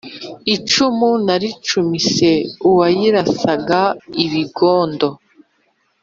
icumu naricumise uwayirasaga ibigondo.